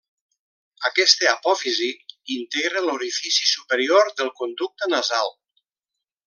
Aquesta apòfisi integra l'orifici superior del conducte nasal.